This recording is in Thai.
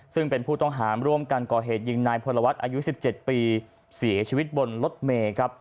ซึ่งเป็นผู้ต้องหาร่วมกันก่อเหตุยิงนายพลวัฒน์อายุ๑๗ปีเสียชีวิตบนรถเมย์ครับ